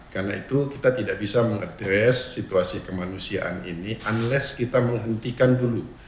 karena itu kita tidak bisa mengadres situasi kemanusiaan ini unless kita menghentikan dulu